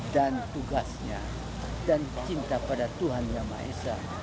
dan tugasnya dan cinta pada tuhan yang maha esa